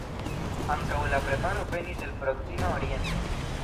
Ankaŭ la preparo venis el proksima oriento.